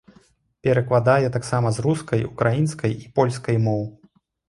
Перакладае таксама з рускай, украінскай і польскай моў.